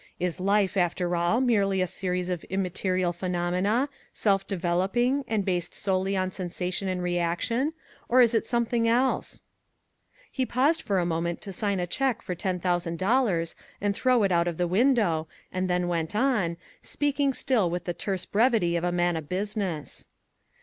Is life, after all, merely a series of immaterial phenomena, self developing and based solely on sensation and reaction, or is it something else?" He paused for a moment to sign a cheque for $10,000 and throw it out of the window, and then went on, speaking still with the terse brevity of a man of business.